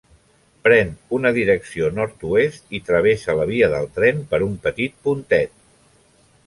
Pren una direcció nord-oest i travessa la via del tren per un petit pontet.